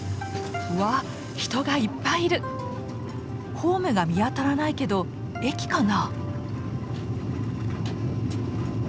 ホームが見当たらないけど駅かな？